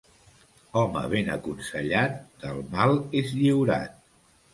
Home ben aconsellat del mal és lliurat.